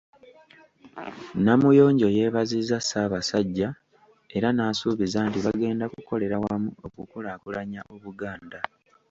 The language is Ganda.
Namuyonjo yeebazizza Ssaabasajja era n’asuubiza nti bagenda kukolera wamu okukulaakulanya Obuganda.